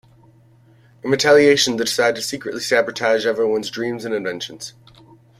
In retaliation, they decide to secretly sabotage everyone's dreams and inventions.